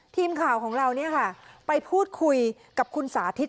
ทีมข่าวของเราเนี่ยค่ะไปพูดคุยกับคุณสาธิษฐ์